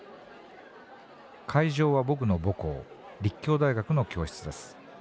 会場は僕の母校立教大学の教室です。